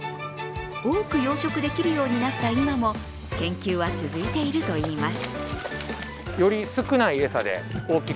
多く養殖できるようになった今も研究は続いているといいます。